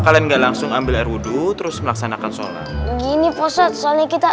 kalian nggak langsung ambil air wudhu terus melaksanakan sholat ini fosat soalnya kita